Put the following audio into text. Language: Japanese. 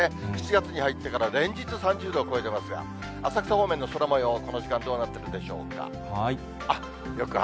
７月に入ってから連日３０度を超えてますが、浅草方面の空もよう、この時間どうなってるでしょうか。